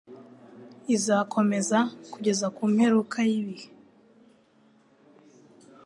izakomeza kugeza ku mperuka y'ibihe.